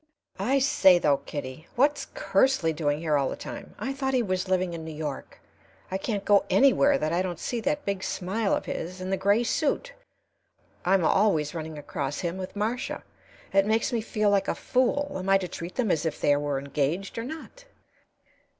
"I say, though, Kitty, what's Kersley doing here all the time? I thought he was living in New York. I can't go anywhere that I don't see that big smile of his and the gray suit. I'm always running across him with Marcia. It makes me feel like a fool. Am I to treat them as if they were engaged, or not?"